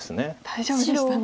大丈夫でしたね。